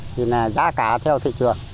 thì là giá cả theo thị trường